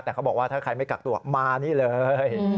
แต่เขาบอกว่าถ้าใครไม่กักตัวมานี่เลย